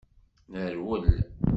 Nerwel.